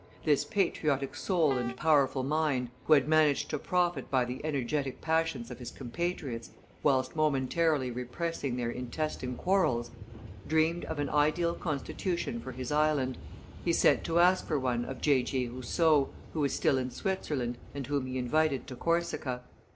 This patriotic soul and powerful mind, who had managed to profit by the energetic passions of his compatriots whilst momentarily repressing their intestine quarrels, dreamed of an ideal constitution for his island; he sent to ask for one of J. J. Rousseau, who was still in Switzerland, and whom he invited to Corsica.